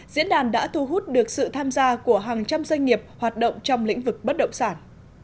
diễn đàn đã thu hút được sự tham gia của hàng trăm doanh nghiệp hoạt động trong lĩnh vực bất động sản